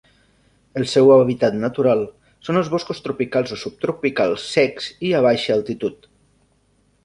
El seu hàbitat natural són els boscos tropicals o subtropicals secs i a baixa altitud.